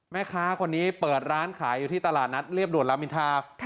แม่ค้าคนนี้เปิดร้านขายอยู่ที่ตลาดนัดเรียบด่วนลามินทา